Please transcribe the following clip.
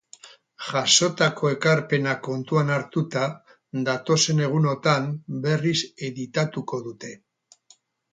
Jasotako ekarpenak kontuan hartuta, datozen egunotan berriz editatuko dute.